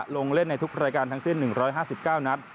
ลงเล่นในทุกรายการทั้งสิ้น๑๕๙นัด